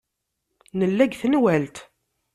Nella deg tenwalt.